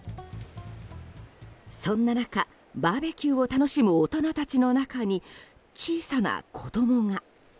そんな中、バーベキューを楽しむ大人たちの中に小さな子供が。